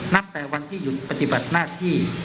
แต่วันที่หยุดปฏิบัติหน้าที่